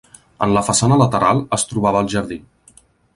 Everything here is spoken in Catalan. En la façana lateral es trobava el jardí.